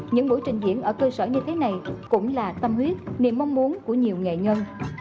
những buổi trình diễn ở cơ sở như thế này cũng là tâm huyết niềm mong muốn của nhiều nghệ nhân